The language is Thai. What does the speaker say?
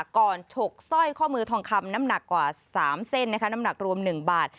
ก่อนถกสร้อยข้อมือทองคำน้ำหนักกว่าสามเส้นนะคะน้ำหนักรวมหนึ่งบาท